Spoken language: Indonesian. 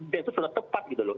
itu sudah tepat gitu loh